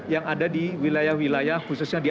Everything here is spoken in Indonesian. yang ada di wilayah wilayah khususnya di